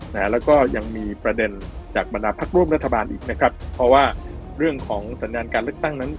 นะฮะแล้วก็ยังมีประเด็นจากบรรดาพักร่วมรัฐบาลอีกนะครับเพราะว่าเรื่องของสัญญาการเลือกตั้งนั้น